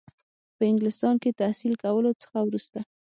په انګلستان کې تحصیل کولو څخه وروسته.